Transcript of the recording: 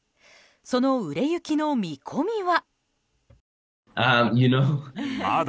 その売れ行きの見込みは？